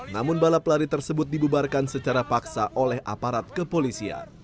namun balap lari tersebut dibubarkan secara paksa oleh aparat kepolisian